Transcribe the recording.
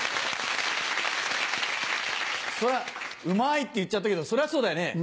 「うまい！」って言っちゃったけどそりゃそうだよね。